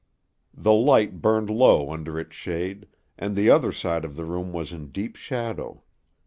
The light burned low under its shade, and the other side of the room was in deep shadow.